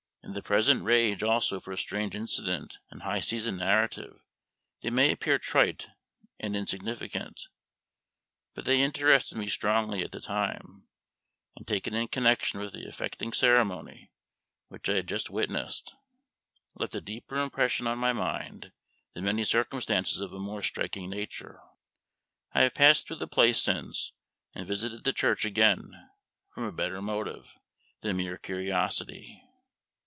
In the present rage also for strange incident and high seasoned narrative they may appear trite and insignificant, but they interested me strongly at the time; and, taken in connection with the affecting ceremony which I had just witnessed, left a deeper impression on my mind than many circumstances of a more striking nature. I have passed through the place since, and visited the church again from a better motive than mere curiosity.